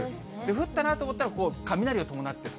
降ったなと思ったら、雷を伴ってる。